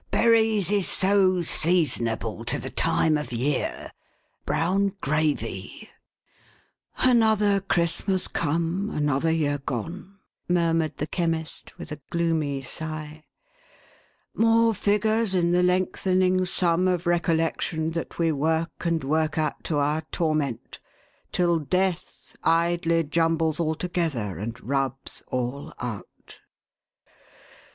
" Berries ; is so seasonable to the time of year !— Brown gravy !" "Another Christmas come, another year gone !" mur mured the Chemist, with a gloomy sigh. " More figures in the lengthening sum of recollection that we work and work at to our torment, till Death idly jumbles all together, and rubs all out.